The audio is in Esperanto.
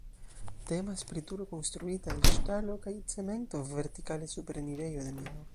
Temas pri turo konstruita el ŝtalo kaj cemento vertikale super enirejo de mino.